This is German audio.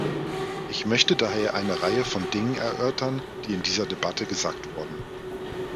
Ich möchte daher eine Reihe von Dingen erörtern, die in dieser Debatte gesagt wurden.